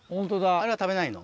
あれは食べないの？